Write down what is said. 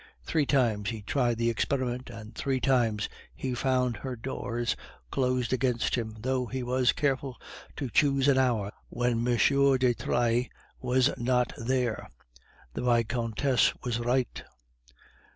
Three times he tried the experiment, and three times he found her doors closed against him, though he was careful to choose an hour when M. de Trailles was not there. The Vicomtesse was right.